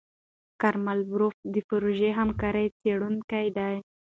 کارمل بروف د پروژې همکاره څېړونکې ده.